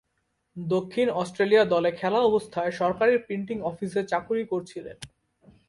দক্ষিণ অস্ট্রেলিয়া দলে খেলা অবস্থায় সরকারী প্রিন্টিং অফিসে চাকুরী করছিলেন।